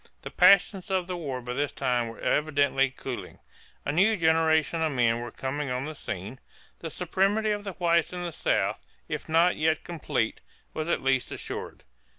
The passions of the war by this time were evidently cooling. A new generation of men was coming on the scene. The supremacy of the whites in the South, if not yet complete, was at least assured.